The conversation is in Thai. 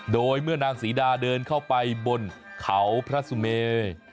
โดยเมื่อนางศรีดาเดินเข้าไปบนเขาพระสุเม